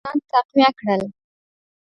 دښمنان تقویه کړل.